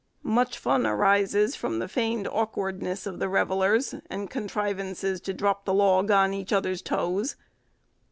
Much fun arises from the feigned awkwardness of the revellers, and contrivances to drop the log on each other's toes.